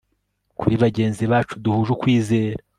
kuri bagenzi bacu duhuje ukwizera